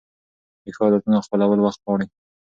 د ښو عادتونو خپلول وخت غواړي.